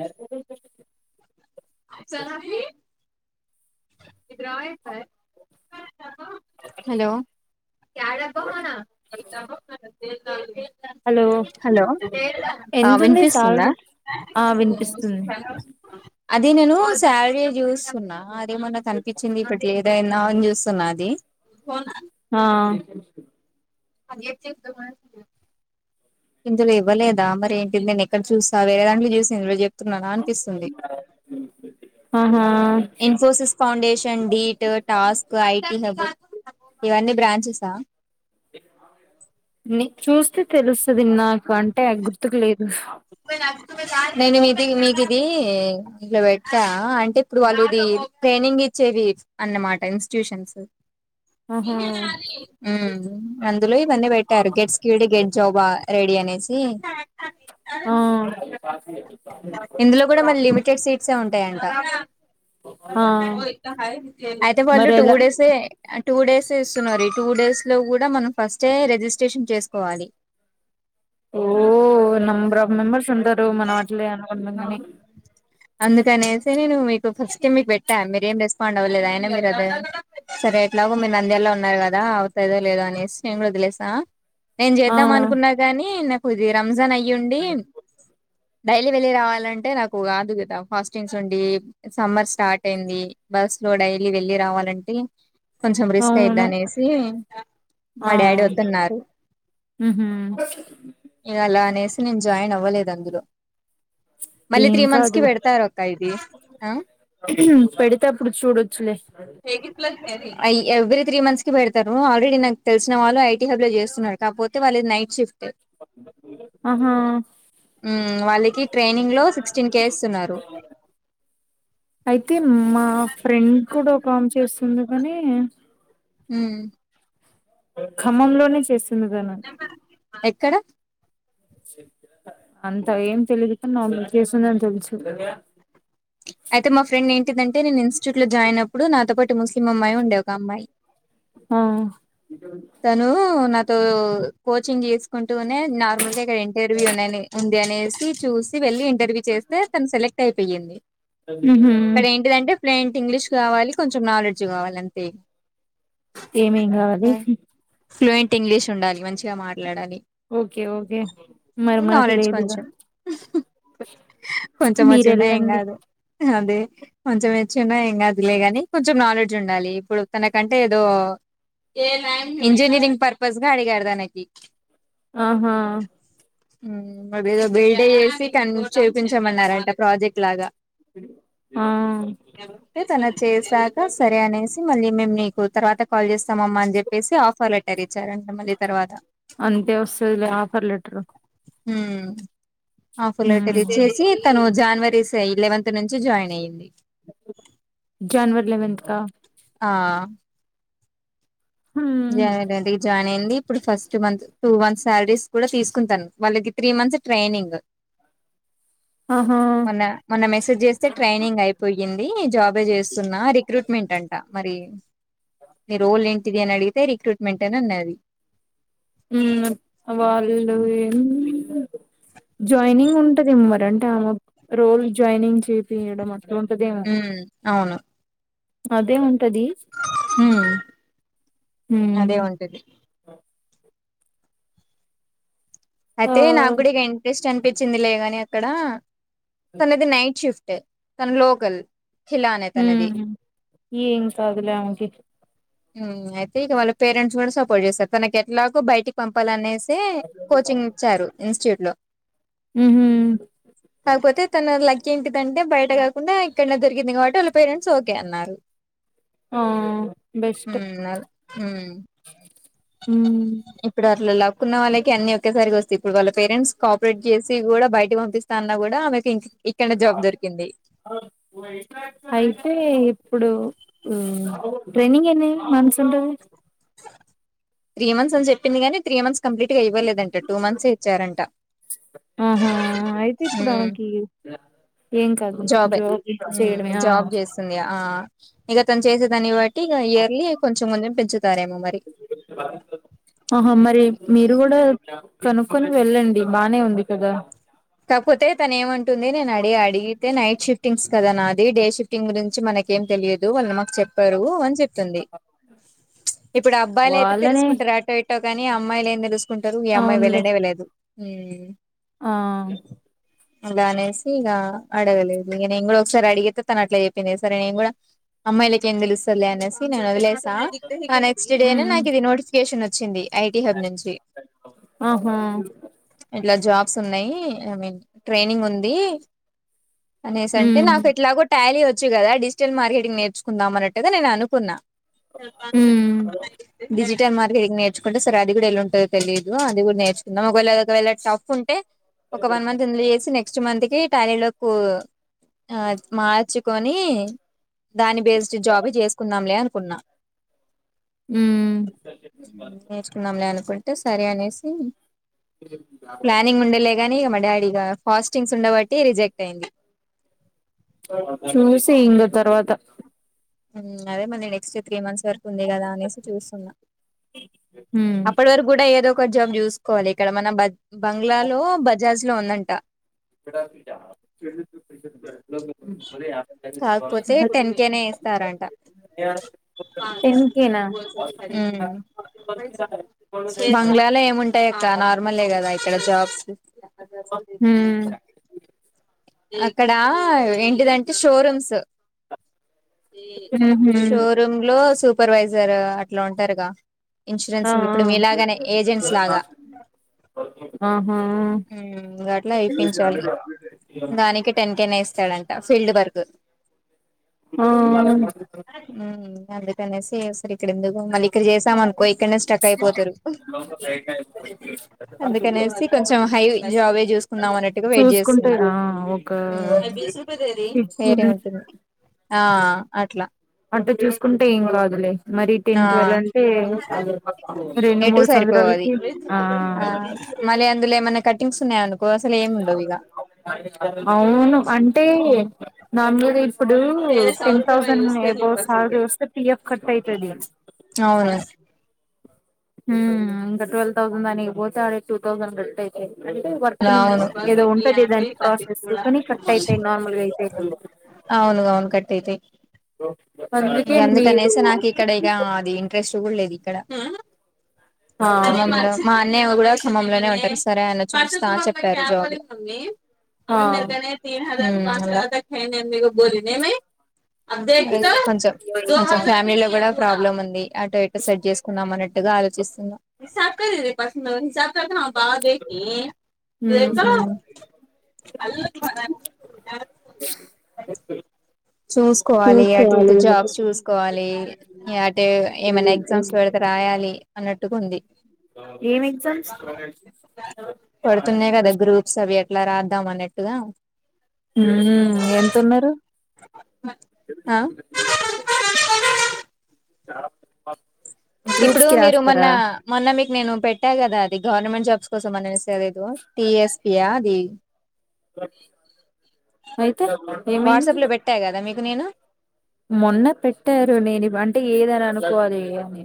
యాడతివి పెట్టొద్దు చాలాహి ఇద్రయే స్కాయే హలో హలో హలో ఆ ఎంతుంది వినిపిసుందా సాలరీ ఆ వినిపిస్తుంది అది నేను శాలరీ జుసున్న అదేమన్నా కనిపించింది. ఇప్పటి ఏదైనా అన్ జు సునాది ఆ ఇందులో ఇవ్వలేదా మరి ఏంటి నేను ఎక్కడ చూస్త చ వేరే దాంట్లో చూసి ఇందులో చెప్తున్నాార అనిపిస్తుంది ఆహా ఇన్ఫోసిస్ ఫౌండషన్ డీటు టాస్క్ ఐటి హవు ఇవన్నీ బ్రాంచేసా నీ చూస్తే తెలుస్తది. నాకు అంటే గుర్తుకు లేద్ నేనిమీద్ది మీది ఇది ఇట్లా బేటా అంటే ఇప్పుడు వాళ్ళు ఇది పెయినింగ్ ఇచ్చేది అన్నమాట ఇన్స్ ట్యూషన్సు ఆహా ఉహు అందులో ఇవన్నీ పెట్టారు గెట్స్క్యూడి గెట్ జాబా రెడీ అనేసి హు ఆ ఇందులో కూడా మళ్ళి లిమిటెడ్ సిడ్సే ఉంటాయంటా ఆ అయితే వాళ్ళు మరి టూ ఎలా డేసే టూ డేస్ ఇసున్నారు. ఈ టూ డేస్ లో కూడా మనం ఫస్టే రేజిస్ట్రేషన్ చేసుకోవాలి. ఓ నంబర్ ఆఫ్ మెంబర్స్ ఉంటారు. మనవట్ హు అందుకనేసి నేను మీకు ఫస్టు మీకుపెట్టా మీరేం రెస్పాండ్ అవ్వలేదు అయినా మీర్ అదే సరే ఎలాగో మీరు నంద్యాల్లో ఉన్నారు. కదా అవుతాదో లేదో అనేసి నీన్ కూడా వదిలేసా. నేను ఆ చేద్దాం అనుకున్నా గాని, నాకు ఇది రంజాన్ అయుండి. డై ఈ వెళ్లి రావాలంటే నాకు కాదు కదా ఫాస్టింగ్స్ ఉండి. సమ్మర్ స్టార్ట్ అయింది బస్సు లోడై డైలీ వెళ్ళి రావాలంటే కొంచెం రిస్క్ అయిది అవును అనేసి మా డాడీ వద్దన్నారు. హుహూ నీన్ జాయిన్ అవ్వలేదు అందులో మళ్ళీ ఏం త్రీ మంత్స్ కి కాదులే పెడతారు ఒక్క ఇది. పెడితే అప్పుడు చూడొచ్చులే ఐ ఎవ్రీ త్రీ మంత్స్ కి పెడతారు. ఆల్రెడీ నాకు తెలిసిన వాళ్ళు ఐటీ హబ్ లో చేసున్నారు. కాకపోతే వాళ్ళది నైట్ షిఫ్ట్ ఆహా వాళ్ళి టీ ట్రైనింగ్లో సిక్సటీన్ కే ఇసున్నారు. అయితే మా ఫ్రెండ్ కూడా ఒక్కమ్ చేసుంది కానీ హు ఖమ్మంలోనే చేసున్నదాన ఎక్కడ అంత ఏం తెలిదు కానీ నార్మల్ చేసుందని తెలుసు అయితే మా ఫ్రెండ్ని తెదంటే నేను ఇన్స్టిట్యూట్ లో జాయిన్ అప్పుడు నాతో పాటు ముస్లిం అమ్మాయి ఉండే ఒక అమ్మాయి ఆఆ కో ఓ కోచింగ్ చేసుకుంటూనే నార్మల్ గా ఇక్కడ ఇంటర్వ్యూ ఉన్నని ఉన్ దేనేసి చూసి వెళ్ళి ఇంటర్వ్యూ చేస్తే తను సెలెక్ట్ అయిపోయింది. ఉహు అక్కడ ఏంటిదంటే ఫ్లూయంట్ ఇంగ్లీష్ కావాలి కొంచెం నాలెడ్జ్ కావాలి అంతే ఏమేం కావాలి ఫ్లూయంట్ ఇంగ్లీష్ ఉండాలి మంచిగా మాట్లాడాలి ఓకే ఓకే మరి మనకు నాలెడ్జ్ లేదుగా కొంచం వచ్చి మీరు ఉన్న ఎం వెళ్ళండి కాదు ఆహా అదే కొంచెం వచ్చి ఉన్న ఏం కాదు లేగాని కొంచెం నాలెడ్జ్ ఉండాలి ఇప్పుడు తనకంటే ఏదో ఇంజనీరింగ్ పర్పస్ గా అడిగాడు తనకి ఆహా హు అదేదో బిరీడి ఎసి కన్ చూపించమన్నారంట ప్రాజెక్ట్ లాగా ఆ తన చేశాక సరే అనే ఆసి మళ్ళీ మీమ్ నీకు తర్వాత కాల్ చేస్తామమ్మ అని చెప్పేసి, ఆఫర్ లెటర్ ఇచ్చారంట మళ్ళీ తర్వాత. అంతే వస్తుదిలే ఆఫర్ లెటరు హు ఆ ఆఫర్ ఉమ్ లెటరు ఇచ్చేసి తను జనవరి సే లేల్వంత్ ఇక్కడ నుంచి జాయిన్ అయ్యింది జన్వర్ లవెన్ంత కా ఆహ ఉమ్ జాయిన్ జాయిన్ అయింది ఇప్పుడు first month two month salaries కూడా తీసుకుంటాను వాళ్ళకి త్రీ మంత్స్ ట్రైనింగ్ [inaudible] ఆహా మొన్న మొన్న మెసేజ్ చేస్తే ట్రైనింగ్ అయిపోయింది జాబే చేస్తున్నా రిక్రూట్మెంట్ అంటా మరి టి నీ రోల్ ఏంటిది అని అడిగితే రిక్రూట్మెంట్ అని అన్నది ఉహు వాళ్లు ఏం అన్నా జాయినింగ్ ఉంటది ఏమో మరి అంటే ఆమె రోల్ జాయినింగ్ చేపియడం అ ఉ అవును అదే ఉంటది ఉమ్ హు అదే ఉంటది ఆ అయితే నాకు కూడా ఇగ ఇంట్రెస్ట్ అనిపించింది లేగాని అక్కడ తనది నైట్ షిఫ్ట్ టు తన లోకల్ ఖిలా అనే హు తనది ఏం కాదులే ఆమెకి హు అయితే ఇగ వాళ్ళ పేరెంట్స్ కూడా సపోర్ట్ చేస్తారు తనకి ఎట్లాగో బయటికి పంపాలనేసి కోచింగ్ ఇచ్చారు ఇన్స్టిట్యూట్లో ఉహు ఇంకేంటిదంటే బయట కాకుండా ఇక్కనే దొరికింది కాబట్టి వాళ్ళ పేరెంట్స్ ఓకే అన్నారు ఆ బెస్ట్ ఉహు అదే హు ఉమ్ ఇప్పుడు అట్లాలాకున్నా వాళ్ళకి అన్ని ఒకక్కేసారిగా వస్తాయి ఇప్పుడు వాళ్ళ పేరెంట్స్ కోపరేట్ చేసి కూడా బయటకు పంపిస్తా అన్నా కూడా ఆమెకి ఇ అయితే ఇప్పుడు ఉ ట్రైనింగ్ ఎన్ని మంత్స్ ఉంటది త్రీ మంత్స్ అని చెప్పింది కానీ త్రీ మంత్స్ కంప్లీట్ గా అవ్వలేదంట టూ మంత్సే ఇచ్చారంట ఆహా అయితే ఇప్పుడు హ్మ్. ఆమెకి ఏం కాదు జాబే జాబ్ చేయడమే హు ఆ జాబ్ చేస్తుంది ఆ ఇగ తను చేసేదాన్ని బట్టి ఇగ ఇయర్లీ కొంచెం కొంచెం పెంచుతారేమో మరి [unintelligible] ఆహా మరి మీరు కూడా కనుక్కొని వెళ్ళండి బానే ఉంది కదా కాకపోతే తన ఏమంటుంది నేను అడిగి అడిగితే నైట్ షిఫ్టింగ్స్ కదా నా డే షిఫ్టింగ్ గురించి మనకేం తెలియదు వాళ్ళ మ చెప్పరు అని చెప్తుంది ఇప్పుడు అబ్బాయిలు అయితే వాళ్ళనే తెలుసుకుంటారు అటో ఇటో ఎటో కాని అమ్మాయి ఎం తెలుసుకుంటారు ఈ అమ్మాయి అవునులే వెళ్లనే వెళ్ళదు హు ఆ ఇలా అనేసి ఇక అడగలేదు ఇక నేను కూడా ఒకసారి అడిగితే తను అట్లా చెప్పింది సరే నేను కూడా అమ్మయిలకు ఎం తెలుస్తదిలే అనేసి నేను వదిలేశా తెల్సా నెక్స్ట్ డేనే హ్మ్ నాకు ఇది నోటిఫికేషన్ వచ్చింది ఐటీ హబ్ నుంచి ఆహా ఇలా జాబ్స్ ఉన్నాయి ఐ మీన్ ట్రైనింగ్ ఉంది అనేసి అంటే హ్మ్ నాకు ఏట్లాగో ట్యాలీ వచ్చు కదా డిజిటల్ మార్కెటింగ్ నేర్చుకుందాం అన్నట్టుగా నేను అనుకున్నా హ్మ్ న [unintelligible] డిటిటల్ మార్కెటింగ్ నేర్చుకుంటే సరే అది కూడా ఎలా ఉంటందో తెలీదు అది కూడా నేర్చుందాం ఒకవేళ వేలా టఫ్ ఉంటే ఒక వన్ మంత్ ఎందులో చేసి నెక్స్ట్ మంత్ కి టాలీ లోకు ఆ మార్చుకొని దాని బేసిడ్ జాబ్ చేసుకుందాంలే అనుకున్నా హ్మ్ హు నేర్చుకుందాంలే అనుకుంటే సరే అనేసి ప్లానింగ్ ఉండేలే గాని [unintelligible] మా డాడీగా ఫాస్టింగ్స్ ఉండబట్టి రిజెక్ట్ అయింది. చూసి ఇంక తర్వాత అదే నీ నెక్స్ట్ త్రీ మంత్స్ దొరుకుతుంది కదా అనేసి చూస్తున్నాం హ్మ్ అప్పటి వరకు కూడా ఏదో కొంచెం చూసుకోవాలి ఇక్కడ మన బ బంగ్లాలో బజాజ్ లో ఉందంట [unintelligible] ఊకేనే ఇస్తారంట టెన్ కేనా హ్మ్మ్ బంగ్లాలో ఏముంటాయి అక్క నార్మలే కదా ఇక్కడ జాబ్స్ హ్మ్మ్ అక్కడ ఏంటిదంటే షోరూమ్స్ ఊహూ షోరూమ్ లో సూపర్వైజర్ అట్లా ఉంటారుగా ఆ ఇన్సూరెన్స్ ఇప్పుడు మీలాగనే ఏజెంట్స్ ఆ లాగా ఆహా ఇంకా అట్లా ఇప్పించాలి దానికి టెన్ కె నే ఇస్తాడంట ఫీల్డ్ వర్క్ ఆ అందుకనేసీ ఇక్కడ ఎందుకు మళ్ళీ ఇక్కడ చేసాం అనుకో ఇక్కడనే స్టక్ అయిపోతారు అందుకని కొంచెం హైవి జావే చూసుకుందాం అన్నట్టుగా వెయిట్ చూసుకుంటే చేస్తున్న ఆ ఒక హ్మ్మ్ వేరే ఫిఫ్టీన్ ఉంటుంది ఆ అట్లా అంటే చూసుకుంటే ఏం కాదులే మరి ఆ టెన్ టువెల్ అంటే రెండు ఎటు మూడు స మళ్ళీ అందులో ఏమైనా కట్టింగ్స్ ఉన్నాయి అనుకో అసలు ఏమి ఉండవు ఇక అవును అంటే ద మీద ఇప్పుడు టెన్ థౌసండ్ అబవ్ శాలరీ వస్తే పిఎఫ్ కట్ అవుతది. అవున హ్మ్మ్ ఇంకా ట్వల్వ్ థౌసండ్ దానికి పోతే ఆడ టూ థౌసండ్ కట్ట అయితది. అంటే వర్క్ ని అవును ఏదో ఉంటది దానికి ప్రాసెస్ కానీ కట్ అయితాయి నార్మల్ గా అయితాయి. అవును అవును కట్ అయితాయి. అందుకే ఇక మీరు అందుకనేసి నాకు ఇక్కడ ఇక అది ఇంట్రెస్ట్ కూడా లేదు ఇక్కడ ఆ మా అన్నయ కూడా ఖమ్మంలోనే ఉంటారు సరే అన సార్ చెప్పారు జాబ్ ఆ ఉమ్ అలా కొంచం కొంచెం ఫ్యామిలీ లో కూడా ప్రాబ్లం ఉంది. ఆటో ఎటో సెట్ చేసుకుందం అన్నట్టుగా ఆలోచిస్తున్నా హ్మ్ ఉమ్ [inaudible] చూసుకోవాలే అటు ఇటు చూసుకోవాలి జాబ్స్ చూసుకోవాలే అటె ఏమైనా ఏం ఎగ్జామ్స్ పెడితే రాయాలి. అన్నట్టుగా ఉంది. ఏం ఎగ్జామ్స్ అట్లా రాద్దాం అన్నట్టుగా ఊ ఎంతున్నరు ఆ [unintelligible] తాపు మగ్గు ఇప్పుడు మీరు మొన్న మొన్న మీకు నేను పెట్టా కదా అది గవర్నమెంట్ జాబ్స్ కోసం అనేసి అదేదో టిఎస్పియా అది అయితే ఏమైంది వాట్సాప్ లో పెట్టా కదా మీకు నేను మొన్న పెట్టారు నేను ఈ వంట ఏదరు అనుకోవాలి అని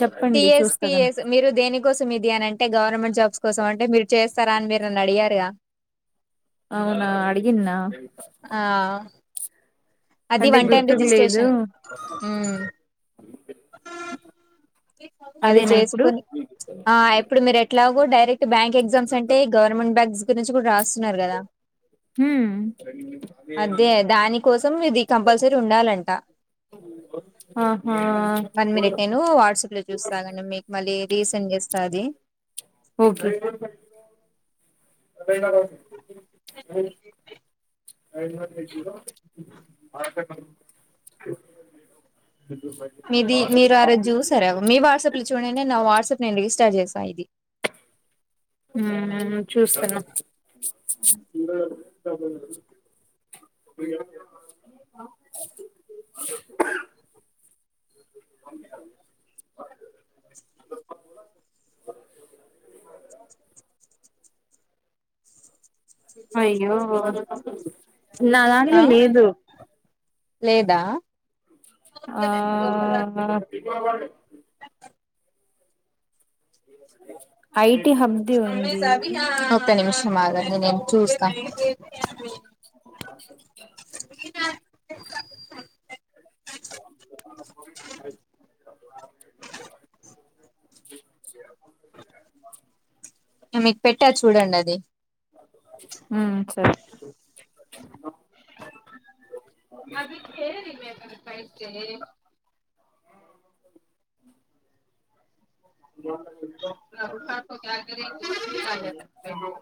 చెప్పండి చూస్తాగాని టీఎస్పిఎస్ మీరు దేనికోసం ఇది అనంటే గవర్నమెంట్ జాబ్స్ కోసం అంటే మీరు చేస్తారా అని మీరు నన్ను అడిగారుగా అవునా అడిగిన్నా ఆ అది అంటే వన్ టైమ్ గుర్తుకు లేదు రిజిస్ట్రేషన్ ఊ అది అదేనా ఇప్పుడు చేసుకుని ఆ ఇప్పుడు మీరు ఎట్లాగు బ్యాంక్ ఎగ్జామ్స్ అంటే గవర్నమెంట్ బ్యాగస్ గురించి కూడా రాస్తున్నారు కదా ఊ మీది కంపల్సరీ ఉండాలంట ఆహా వన్ మినిట్ నేను వాట్సాప్ లో చూస్తా ఆగండీ మీకు మళ్ళీ రీసెండ్ చేస్తాను అదేనా రమ్ము ఉ ఉ ఐదో పేజీలో మాటకను [unintelligible] మీది మీరు ఆరోజు చూసారా మీ వాట్సాప్ లో చూడండి నా వాట్సాప్ నేన్ రి స్టార్ట్ చేస్ పైది ఊ చూస్తన కాబోర్డ్ ల వెట్టి నువ్ [unintelligible] అయ్యో నా దాంట్ల ఆ! లేదు లేదా? ఆ ఐట్ ఒక నిమిషం ఆగండి నేన్ చూస్త స [unintelligible] ఇగ మీకు పెట్టా చూడండి అది ఉమ్ సరే అది [unintelligible] పైస్ డే అ [unintelligible] నా రూమ్ నాకో [unintelligible]